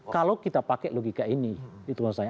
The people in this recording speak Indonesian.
kalau kita pakai logika ini itu menurut saya